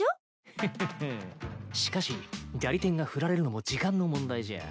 フッフッフッしかしジャリテンがフラれるのも時間の問題じゃ。